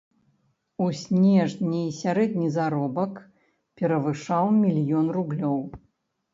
У снежні сярэдні заробак перавышаў мільён рублёў.